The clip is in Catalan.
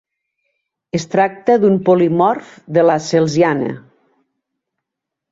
Es tracta d'un polimorf de la celsiana.